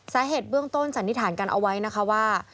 สาเหตุเบื้องต้นสันนิษฐานกันเอาไว้นะคะว่า